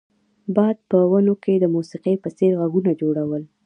باد په ونو کې د موسیقۍ په څیر غږونه جوړول